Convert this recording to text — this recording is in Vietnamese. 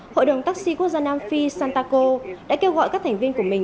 hội đồng taxi quốc gia nam phi santaco đã kêu gọi các thành viên của mình